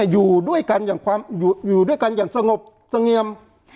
อยู่ด้วยกันอย่างสงบเงียม